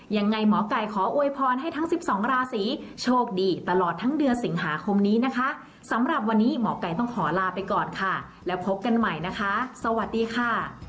ยังไงหมอไก่ขออวยพรให้ทั้ง๑๒ราศีโชคดีตลอดทั้งเดือนสิงหาคมนี้นะคะสำหรับวันนี้หมอไก่ต้องขอลาไปก่อนค่ะแล้วพบกันใหม่นะคะสวัสดีค่ะ